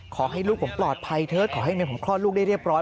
ขอให้ลูกผมปลอดภัยเถอะขอให้เมียผมคลอดลูกได้เรียบร้อย